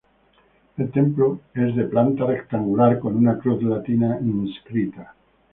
El templo es de planta rectangular con una cruz latina inscrita.